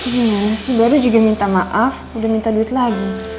gimana sih baru juga minta maaf udah minta duit lagi